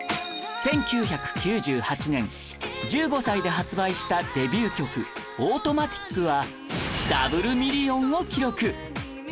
１９９８年１５歳で発売したデビュー曲『Ａｕｔｏｍａｔｉｃ』はダブルミリオンを記録